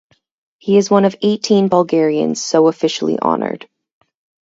He is one of eighteen Bulgarians so officially honored.